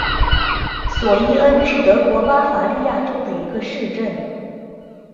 索伊恩是德国巴伐利亚州的一个市镇。